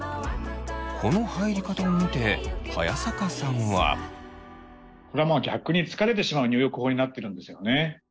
この入り方を見て早坂さんは。これは逆に疲れてしまう入浴法になってるんですよね。